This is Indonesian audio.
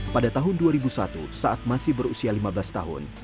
pada tahun dua ribu satu saat masih berusia lima belas tahun